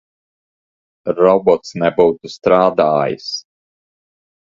Robots nebūtu strādājis.